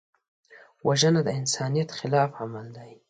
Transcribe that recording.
وژنه د انسانیت خلاف عمل دی